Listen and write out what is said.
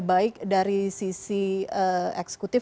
baik dari sisi eksekutif